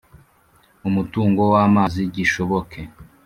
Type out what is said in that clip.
Umutungo w amazi gishoboke